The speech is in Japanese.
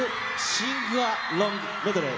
シングアロングメドレー。